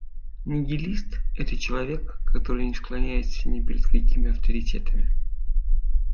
Нигилист - это человек, который не склоняется ни перед какими авторитетами